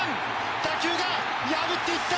打球が破っていった！